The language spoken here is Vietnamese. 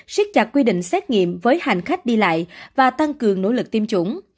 siết chặt quy định xét nghiệm với hành khách đi lại và tăng cường nỗ lực tiêm chủng